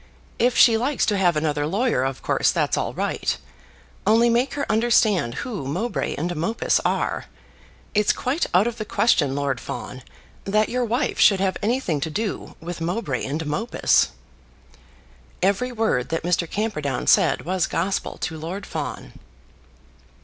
If she likes to have another lawyer, of course, that's all right. Only make her understand who Mowbray and Mopus are. It's quite out of the question, Lord Fawn, that your wife should have anything to do with Mowbray and Mopus." Every word that Mr. Camperdown said was gospel to Lord Fawn.